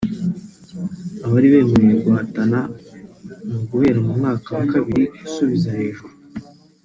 abari bemerewe guhatana ni uguhera mu mwaka wa kabiri gusubiza hejuru